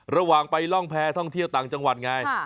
ระหว่างไปร่องแพรท่องเที่ยวต่างจังหวัดไง